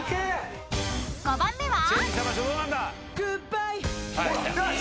［５番目は？］